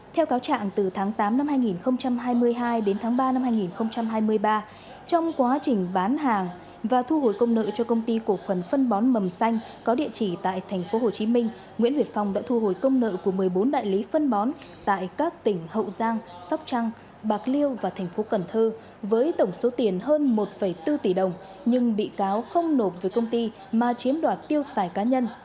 theo cáo trạng từ tháng tám năm hai nghìn hai mươi hai đến tháng ba năm hai nghìn hai mươi ba trong quá trình bán hàng và thu hồi công nợ cho công ty cổ phần phân bón mầm xanh có địa chỉ tại tp hcm nguyễn việt phong đã thu hồi công nợ của một mươi bốn đại lý phân bón tại các tỉnh hậu giang sóc trăng bạc liêu và tp cn với tổng số tiền hơn một bốn tỷ đồng nhưng bị cáo không nộp với công ty mà chiếm đoạt tiêu xài cá nhân